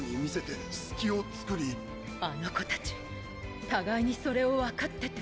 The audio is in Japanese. あの子たち互いにそれを分かってて。